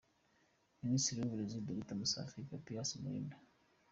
Minisitiri w’Uburezi : Dr Musafili Papias Malimba